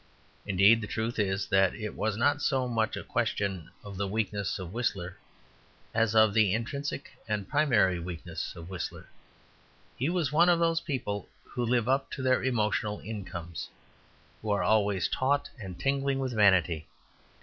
Indeed, the truth is that it was not so much a question of the weaknesses of Whistler as of the intrinsic and primary weakness of Whistler. He was one of those people who live up to their emotional incomes, who are always taut and tingling with vanity.